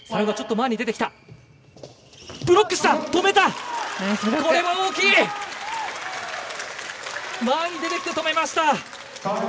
前に出てきて止めました！